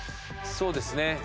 そうですね。